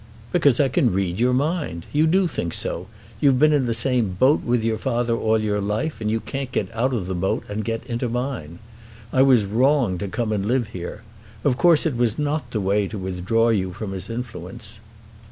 "Because I can read your mind. You do think so. You've been in the same boat with your father all your life, and you can't get out of that boat and get into mine. I was wrong to come and live here. Of course it was not the way to withdraw you from his influence."